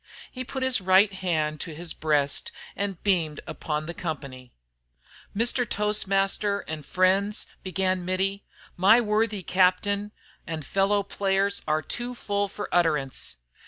He put his right hand to his breast and beamed upon the company. "Mr. Toastmaster an' friends," began Mittie, "my worthy captain an' fellow players are too full fer utterance.